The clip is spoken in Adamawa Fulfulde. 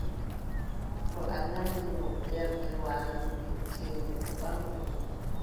To a nyaamni mo ɓernde waandu heccere, o ɓaŋtoto.